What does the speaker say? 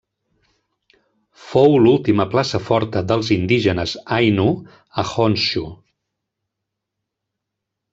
Fou l'última plaça forta dels indígenes ainu a Honshu.